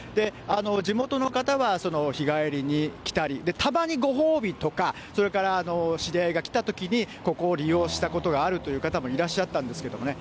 地元の方は日帰りに来たり、たまにご褒美とか、それから知り合いが来たときに、ここを利用したことがあるという方もいらっしゃったんですけどね。